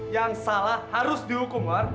yang salah harus dihukum